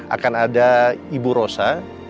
akan ada ibu rosa